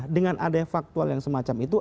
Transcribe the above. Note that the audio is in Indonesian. dengan ada faktual yang semacam itu